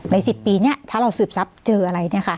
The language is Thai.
ในสิบปีเนี้ยถ้าเราสืบทรัพย์เจออะไรเนี้ยค่ะ